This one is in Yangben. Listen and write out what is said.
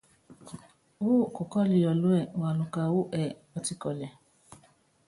Wú kukɔ́lɔ Yɔɔlúɛ́, waluka wú ɛ́ɛ́ Pɔtikɔ́lɛ.